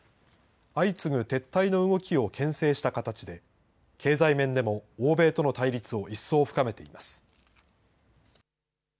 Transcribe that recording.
相次ぐ撤退の動きをけん制した形で、経済面でも欧米との対立を一層深めています。